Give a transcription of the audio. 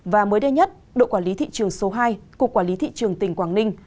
và mới đây nhất đội quản lý thị trường số hai cục quản lý thị trường tỉnh quảng ninh